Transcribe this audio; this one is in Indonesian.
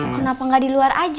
kenapa nggak di luar aja